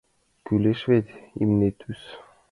Кӱлеш вет имне тӱс...